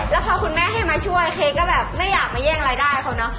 แล้วพอคุณแม่ให้มาช่วยเค้กก็แบบไม่อยากมาแย่งรายได้เขาเนอะ